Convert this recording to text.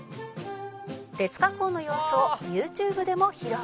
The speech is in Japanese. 「鉄加工の様子をＹｏｕＴｕｂｅでも披露」